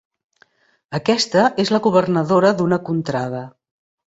Aquesta és la governadora d'una contrada.